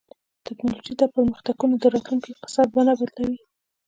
د ټیکنالوژۍ دا پرمختګونه د راتلونکي اقتصاد بڼه بدلوي.